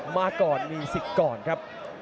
มาก่อนมีสิกก่อนครับ